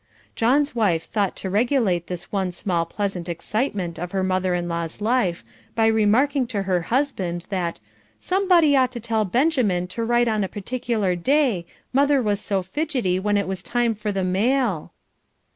John's wife thought to regulate this one small pleasant excitement of her mother in law's life by remarking to her husband that "somebody ought to tell Benjamin to write on a particular day, mother was so fidgety when it was time for the mail."